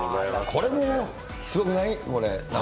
これもすごくない？